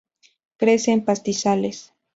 Crece en pastizales.